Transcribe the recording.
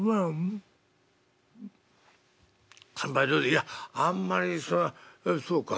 「いやあんまりそらそうか？